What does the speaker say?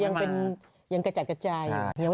ยังเป็นกระจัดกระจายอยู่